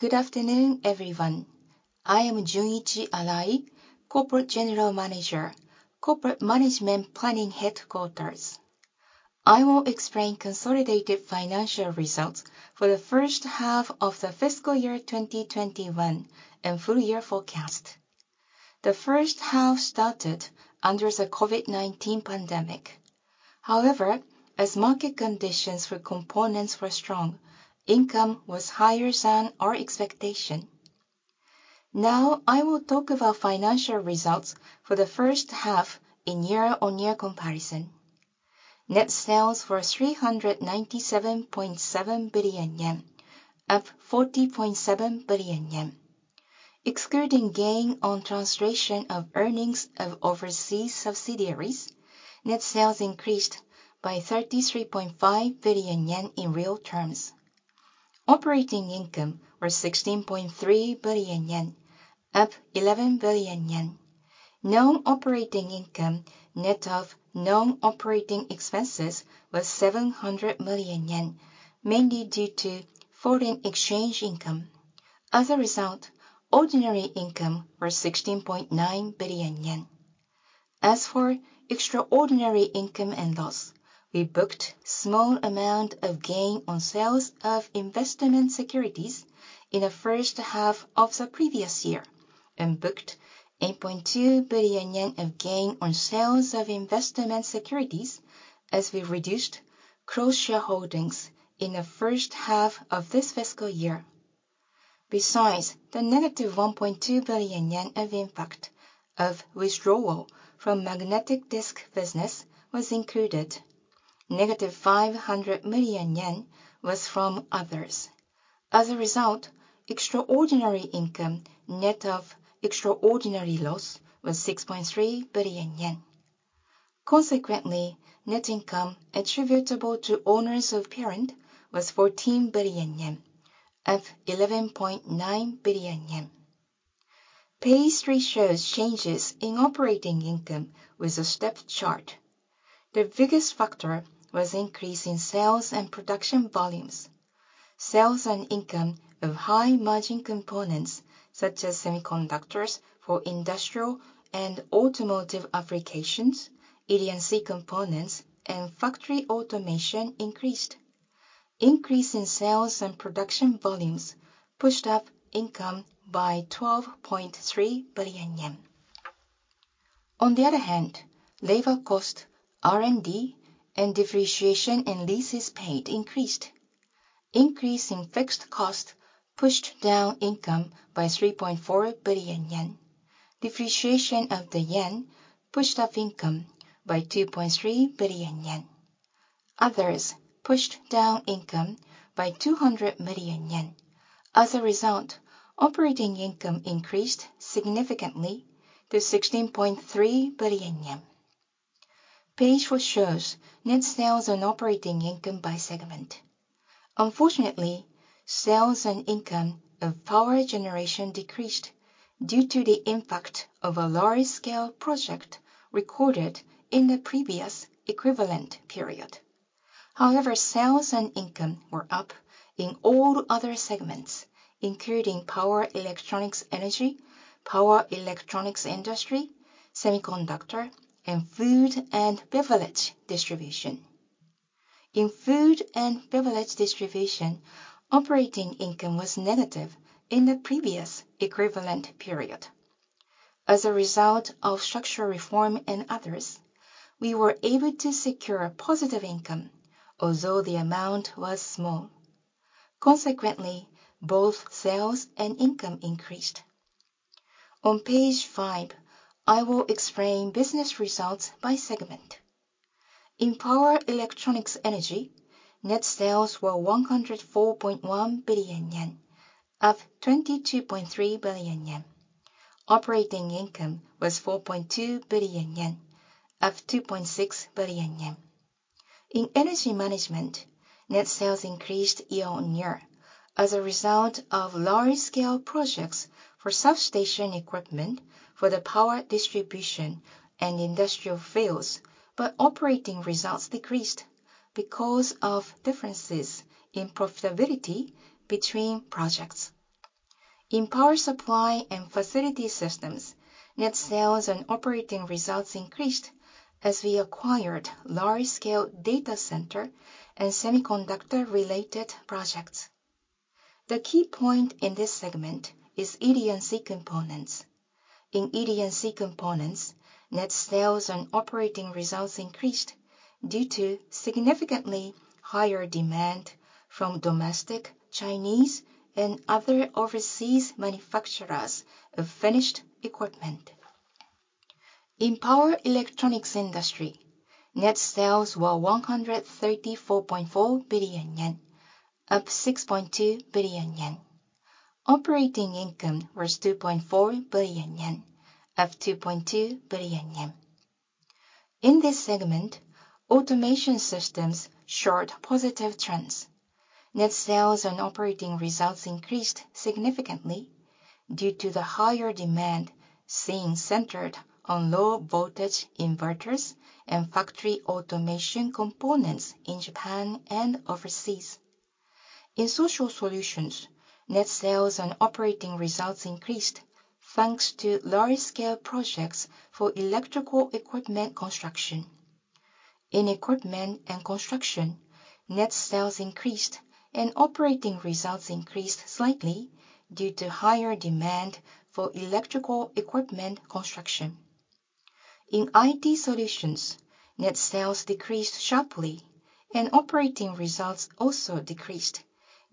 Good afternoon, everyone. I am Junichi Arai, Corporate General Manager, Corporate Management Planning Headquarters. I will explain consolidated financial results for the first half of the fiscal year 2021 and full year forecast. The first half started under the COVID-19 pandemic. However, as market conditions for components were strong, income was higher than our expectation. Now I will talk about financial results for the first half in year-on-year comparison. Net sales were 397.7 billion yen, up 40.7 billion yen. Excluding gain on translation of earnings of overseas subsidiaries, net sales increased by 33.5 billion yen in real terms. Operating income was JPY 16.3 billion, up 11 billion yen. Non-operating income, net of non-operating expenses was 700 million yen, mainly due to foreign exchange income. As a result, ordinary income was 16.9 billion yen. As for extraordinary income and loss, we booked small amount of gain on sales of investment securities in the first half of the previous year and booked 8.2 billion yen of gain on sales of investment securities as we reduced cross-shareholdings in the first half of this fiscal year. Besides, the -1.2 billion yen of impact of withdrawal from magnetic disk business was included. -500 million yen was from others. As a result, extraordinary income, net of extraordinary loss, was 6.3 billion yen. Consequently, net income attributable to owners of parent was 14 billion yen, up 11.9 billion yen. Page three shows changes in operating income with a stepped chart. The biggest factor was increase in sales and production volumes. Sales and income of high margin components such as semiconductors for industrial and automotive applications, ED&C components and factory automation increased. Increase in sales and production volumes pushed up income by 12.3 billion yen. On the other hand, labor cost, R&D, and depreciation and leases paid increased. Increase in fixed cost pushed down income by 3.4 billion yen. Depreciation of the yen pushed up income by 2.3 billion yen. Others pushed down income by 200 million yen. As a result, operating income increased significantly to 16.3 billion yen. Page four shows net sales and operating income by segment. Unfortunately, sales and income of Power Generation decreased due to the impact of a large scale project recorded in the previous equivalent period. However, sales and income were up in all other segments, including Power Electronics Energy, Power Electronics Industry, Semiconductor, and Food and Beverages Distribution. In Food and Beverages Distribution, operating income was negative in the previous equivalent period. As a result of structural reform and others, we were able to secure positive income, although the amount was small. Consequently, both sales and income increased. On page five, I will explain business results by segment. In Power Electronics Energy, net sales were 104.1 billion yen, up 22.3 billion yen. Operating income was JPY 4.2 billion, up 2.6 billion yen. In Energy Management, net sales increased year-on-year as a result of large scale projects for substation equipment for the power distribution and industrial fields. Operating results decreased because of differences in profitability between projects. In Power Supply and Facility Systems, net sales and operating results increased as we acquired large-scale data center and semiconductor-related projects. The key point in this segment is ED&C components. In ED&C components, net sales and operating results increased due to significantly higher demand from domestic, Chinese, and other overseas manufacturers of finished equipment. In Power Electronics Industry, net sales were 134.4 billion yen, up 6.2 billion yen. Operating income was 2.4 billion yen, up 2.2 billion yen. In this segment, Automation Systems showed positive trends. Net sales and operating results increased significantly due to the higher demand seen centered on low-voltage inverters and factory automation components in Japan and overseas. In Social Solutions, net sales and operating results increased, thanks to large-scale projects for electrical equipment construction. In Equipment Construction, net sales increased and operating results increased slightly due to higher demand for electrical equipment construction. In IT Solutions, net sales decreased sharply and operating results also decreased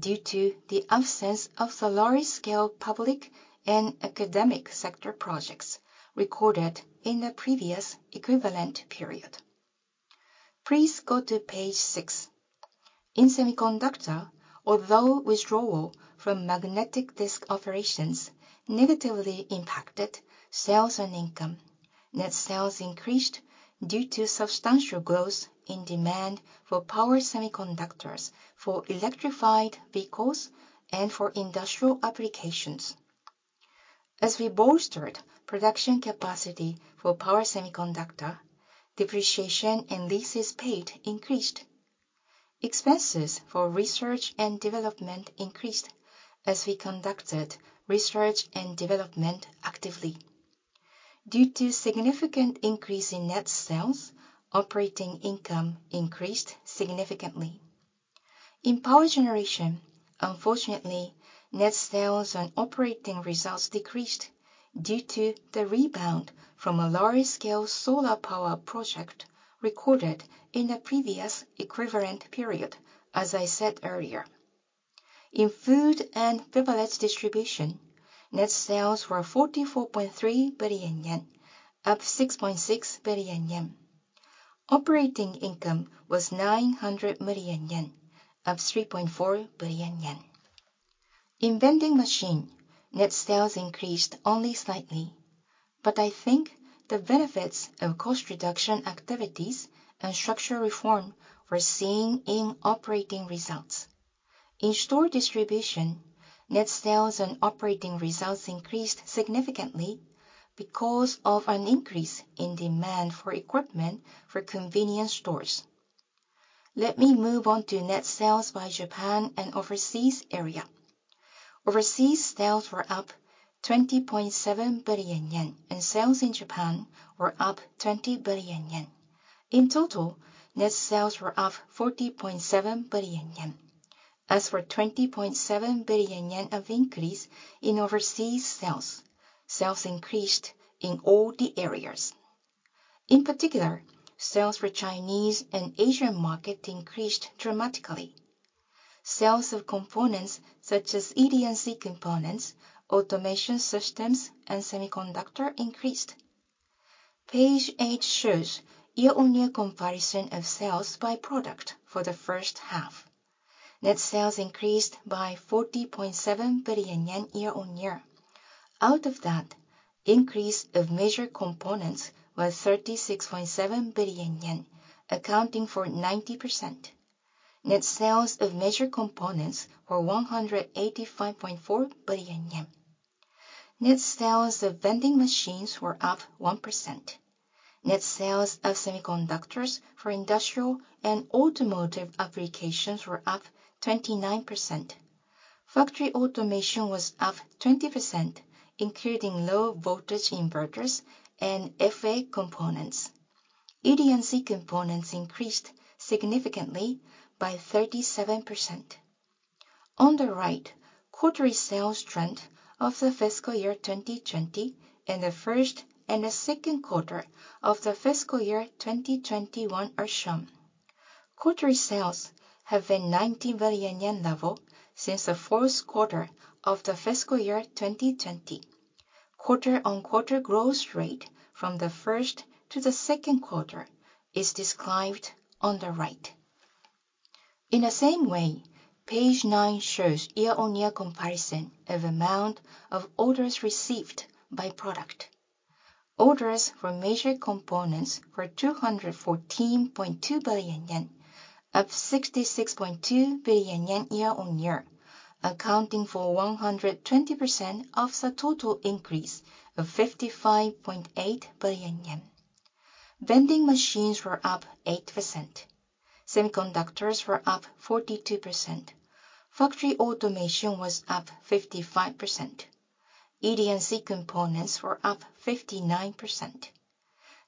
due to the absence of the large-scale public and academic sector projects recorded in the previous equivalent period. Please go to page six. In Semiconductors, although withdrawal from magnetic disk operations negatively impacted sales and income, net sales increased due to substantial growth in demand for power semiconductors, for electrified vehicles and for industrial applications. As we bolstered production capacity for power semiconductors, depreciation and leases paid increased. Expenses for research and development increased as we conducted research and development actively. Due to significant increase in net sales, operating income increased significantly. In Power Generation, unfortunately, net sales and operating results decreased due to the rebound from a large scale solar power project recorded in the previous equivalent period, as I said earlier. In Food and Beverages Distribution, net sales were 44.3 billion yen, up 6.6 billion yen. Operating income was 900 million yen, up 3.4 billion yen. In vending machine, net sales increased only slightly. I think the benefits of cost reduction activities and structural reform were seen in operating results. In Store Distribution, net sales and operating results increased significantly because of an increase in demand for equipment for convenience stores. Let me move on to net sales by Japan and overseas area. Overseas sales were up 20.7 billion yen, and sales in Japan were up 20 billion yen. In total, net sales were up 40.7 billion yen. As for 20.7 billion yen of increase in overseas sales increased in all the areas. In particular, sales for Chinese and Asian market increased dramatically. Sales of components such as ED&C components, automation systems and semiconductors increased. Page eight shows year-on-year comparison of sales by product for the first half. Net sales increased by 40.7 billion yen year-on-year. Out of that, increase of major components was 36.7 billion yen, accounting for 90%. Net sales of major components were 185.4 billion yen. Net sales of vending machines were up 1%. Net sales of semiconductors for industrial and automotive applications were up 29%. Factory automation was up 20%, including low voltage inverters and FA components. ED&C components increased significantly by 37%. On the right, quarterly sales trend of the fiscal year 2020 and the first and second quarter of the fiscal year 2021 are shown. Quarterly sales have been 90 billion yen level since the fourth quarter of the fiscal year 2020. Quarter-on-quarter growth rate from the first to the second quarter is described on the right. In the same way, page nine shows year-on-year comparison of amount of orders received by product. Orders for major components were 214.2 billion yen, up 66.2 billion yen year-on-year, accounting for 120% of the total increase of 55.8 billion yen. Vending machines were up 8%. Semiconductors were up 42%. Factory automation was up 55%. ED&C components were up 59%.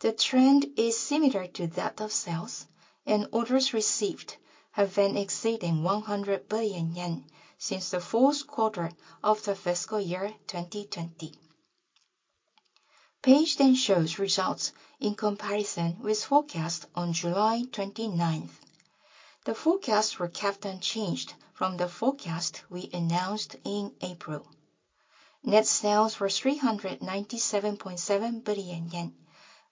The trend is similar to that of sales, and orders received have been exceeding 100 billion yen since the fourth quarter of the fiscal year 2020. The page then shows results in comparison with forecast on July 29th. The forecasts were kept unchanged from the forecast we announced in April. Net sales were 397.7 billion yen,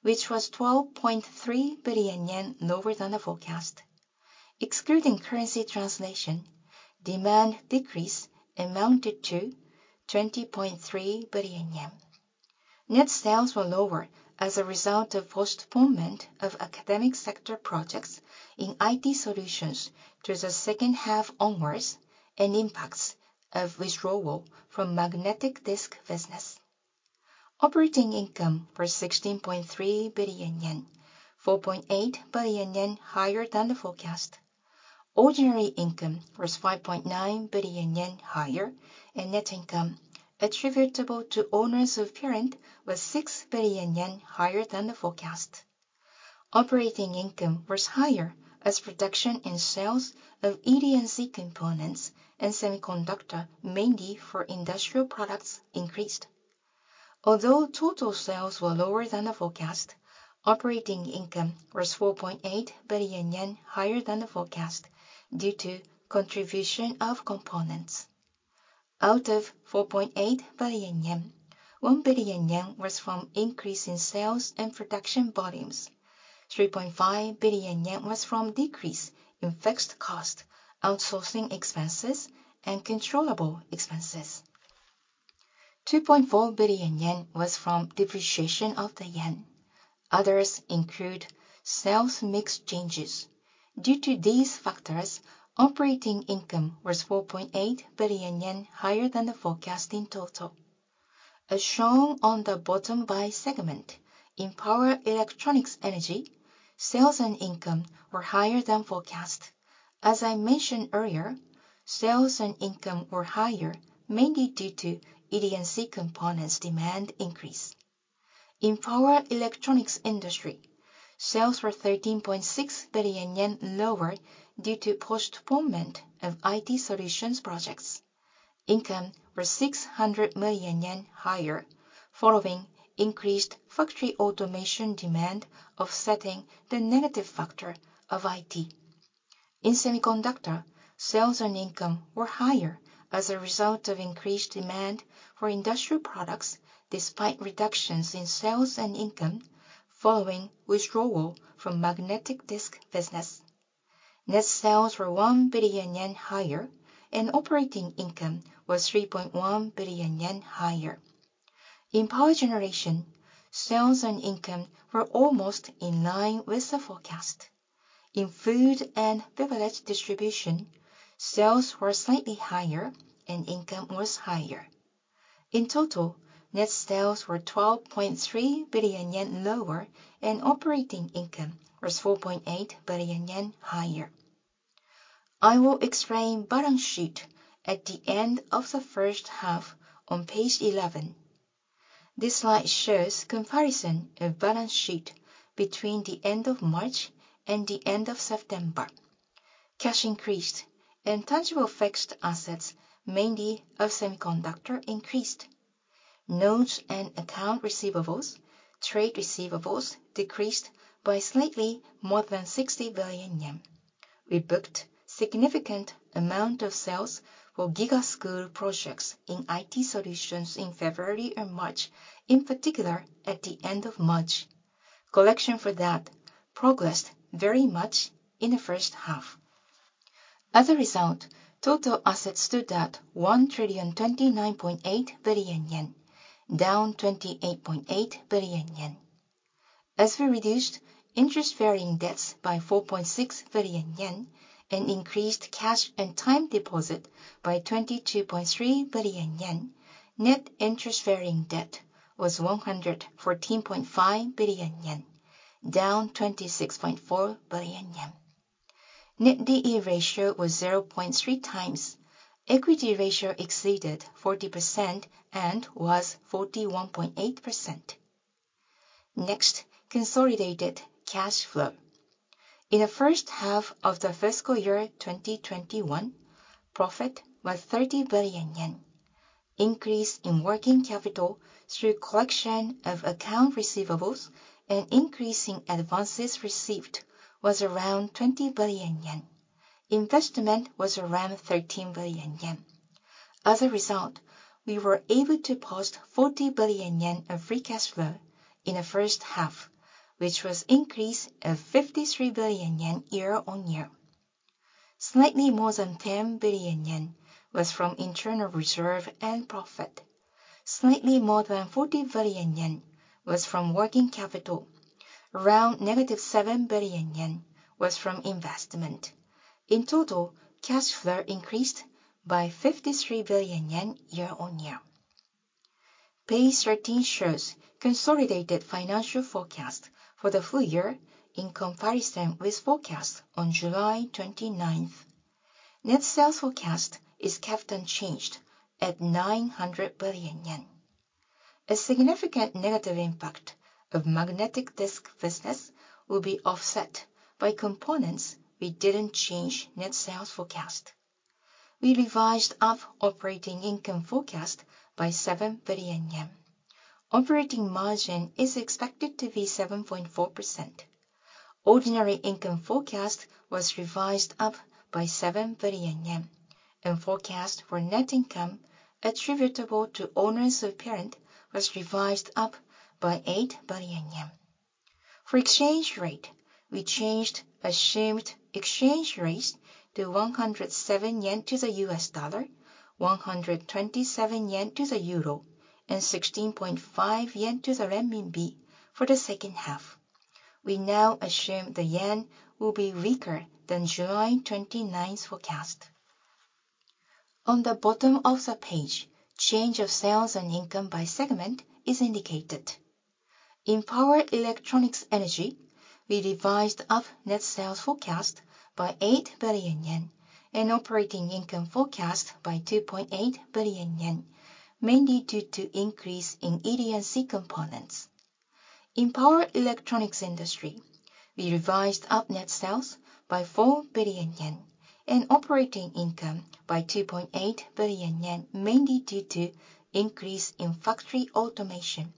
which was 12.3 billion yen lower than the forecast. Excluding currency translation, demand decrease amounted to 20.3 billion yen. Net sales were lower as a result of postponement of academic sector projects in IT solutions through the second half onwards and impacts of withdrawal from magnetic disk business. Operating income was 16.3 billion yen, 4.8 billion yen higher than the forecast. Ordinary income was 5.9 billion yen higher, and net income attributable to owners of parent was 6 billion yen higher than the forecast. Operating income was higher as production and sales of ED&C components and semiconductor, mainly for industrial products, increased. Although total sales were lower than the forecast, operating income was 4.8 billion yen higher than the forecast due to contribution of components. Out of 4.8 billion yen, 1 billion yen was from increase in sales and production volumes. 3.5 billion yen was from decrease in fixed cost, outsourcing expenses, and controllable expenses. 2.4 billion yen was from depreciation of the yen. Others include sales mix changes. Due to these factors, operating income was 4.8 billion yen higher than the forecast in total. As shown on the bottom by segment, in Power Electronics Energy, sales and income were higher than forecast. As I mentioned earlier, sales and income were higher mainly due to ED&C components demand increase. In Power Electronics Industry, sales were 13.6 billion yen lower due to postponement of IT solutions projects. Income was 600 million yen higher following increased factory automation demand offsetting the negative factor of IT. In Semiconductor, sales and income were higher as a result of increased demand for industrial products despite reductions in sales and income following withdrawal from magnetic disk business. Net sales were 1 billion yen higher and operating income was 3.1 billion yen higher. In Power Generation, sales and income were almost in line with the forecast. In Food and Beverages Distribution, sales were slightly higher and income was higher. In total, net sales were 12.3 billion yen lower and operating income was 4.8 billion yen higher. I will explain balance sheet at the end of the first half on page 11. This slide shows comparison of balance sheet between the end of March and the end of September. Cash increased and tangible fixed assets, mainly of semiconductor, increased. Notes and account receivables, trade receivables decreased by slightly more than 60 billion yen. We booked significant amount of sales for GIGA School projects in IT solutions in February and March, in particular at the end of March. Collection for that progressed very much in the first half. As a result, total assets stood at 1,029.8 billion yen, down 28.8 billion yen. As we reduced interest-bearing debts by 4.6 billion yen and increased cash and time deposit by 22.3 billion yen, net interest-bearing debt was 114.5 billion yen, down 26.4 billion yen. Net D/E ratio was 0.3x. Equity ratio exceeded 40% and was 41.8%. Next, consolidated cash flow. In the first half of fiscal year 2021, profit was 30 billion yen. Increase in working capital through collection of accounts receivable and increase in advances received was around 20 billion yen. Investment was around 13 billion yen. As a result, we were able to post 40 billion yen of free cash flow in the first half, which was increase of 53 billion yen year-on-year. Slightly more than 10 billion yen was from internal reserve and profit. Slightly more than 40 billion yen was from working capital. Around -7 billion yen was from investment. In total, cash flow increased by 53 billion yen year-on-year. Page 13 shows consolidated financial forecast for the full year in comparison with forecast on July 29. Net sales forecast is kept unchanged at 900 billion yen. A significant negative impact of magnetic disk business will be offset by components. We didn't change net sales forecast. We revised up operating income forecast by 7 billion yen. Operating margin is expected to be 7.4%. Ordinary income forecast was revised up by 7 billion yen, and forecast for net income attributable to owners of parent was revised up by 8 billion yen. For exchange rate, we changed assumed exchange rates to 107 yen to the U.S. dollar, 127 yen to the euro, and 16.5 yen to the renminbi for the second half. We now assume the yen will be weaker than July 29th's forecast. On the bottom of the page, change of sales and income by segment is indicated. In Power Electronics Energy, we revised up net sales forecast by 8 billion yen and operating income forecast by 2.8 billion yen, mainly due to increase in ED&C components. In Power Electronics Industry, we revised up net sales by 4 billion yen and operating income by 2.8 billion yen, mainly due to increase in factory automation.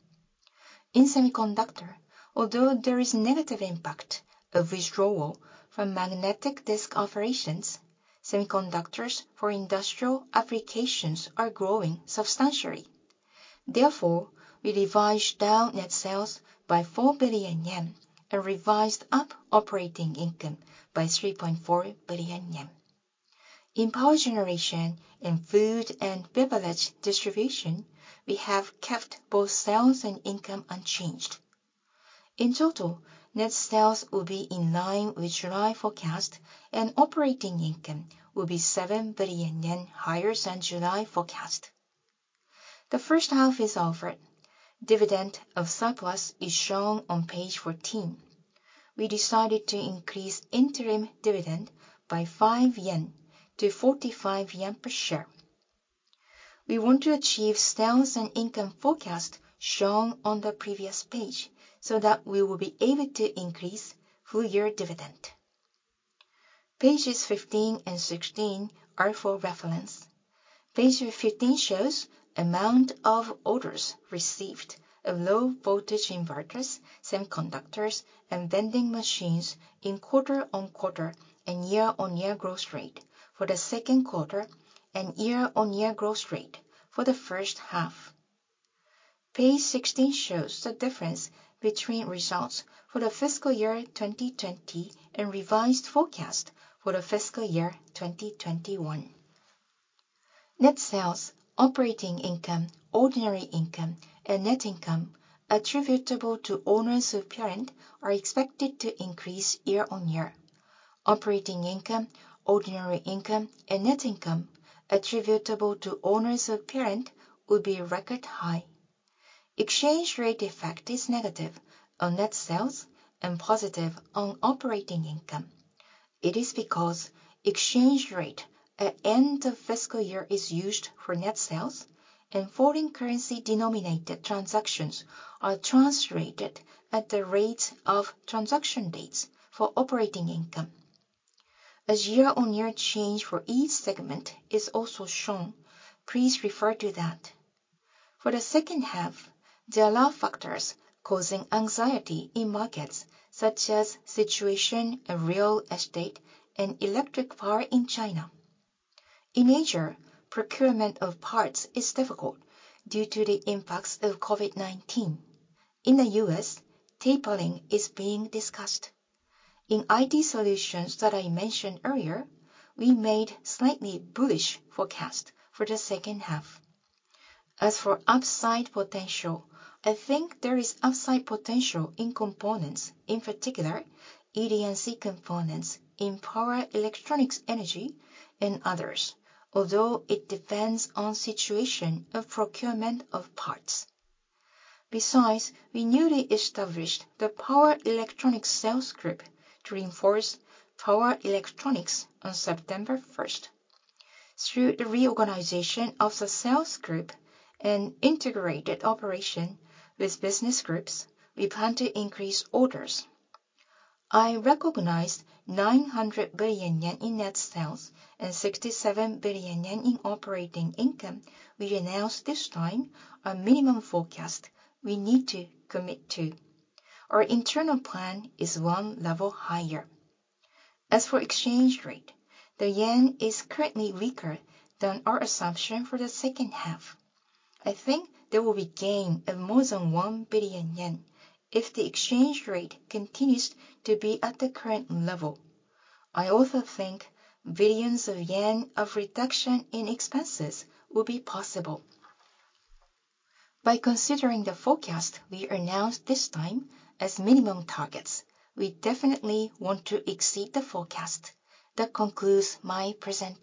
In Semiconductor, although there is negative impact of withdrawal from magnetic disk operations, semiconductors for industrial applications are growing substantially. Therefore, we revised down net sales by 4 billion yen and revised up operating income by 3.4 billion yen. In Power Generation and Food and Beverage Distribution, we have kept both sales and income unchanged. In total, net sales will be in line with July forecast and operating income will be 7 billion yen higher than July forecast. The first half is offered. Dividend of surplus is shown on page 14. We decided to increase interim dividend by 5 yen to 45 yen per share. We want to achieve sales and income forecast shown on the previous page so that we will be able to increase full year dividend. Pages 15 and 16 are for reference. Page 15 shows amount of orders received of low voltage inverters, semiconductors, and vending machines in quarter-over-quarter and year-over-year growth rate for the second quarter and year-over-year growth rate for the first half. Page 16 shows the difference between results for the fiscal year 2020 and revised forecast for the fiscal year 2021. Net sales, operating income, ordinary income, and net income attributable to owners of parent are expected to increase year-over-year. Operating income, ordinary income, and net income attributable to owners of parent will be record high. Exchange rate effect is negative on net sales and positive on operating income. It is because exchange rate at end of fiscal year is used for net sales and foreign currency denominated transactions are translated at the rate of transaction dates for operating income. As year-on-year change for each segment is also shown, please refer to that. For the second half, there are a lot of factors causing anxiety in markets such as situation of real estate and electric power in China. In Asia, procurement of parts is difficult due to the impacts of COVID-19. In the U.S., tapering is being discussed. In IT solutions that I mentioned earlier, we made slightly bullish forecast for the second half. As for upside potential, I think there is upside potential in components, in particular, ED&C components in Power Electronics Energy and others, although it depends on situation of procurement of parts. Besides, we newly established the Power Electronics Sales Group to reinforce power electronics on September first. Through the reorganization of the sales group and integrated operation with business groups, we plan to increase orders. I recognize 900 billion yen in net sales and 67 billion yen in operating income. We announce this time a minimum forecast we need to commit to. Our internal plan is one level higher. As for exchange rate, the yen is currently weaker than our assumption for the second half. I think there will be gain of more than 1 billion yen if the exchange rate continues to be at the current level. I also think billions of yen of reduction in expenses will be possible. By considering the forecast we announced this time as minimum targets, we definitely want to exceed the forecast. That concludes my presenting.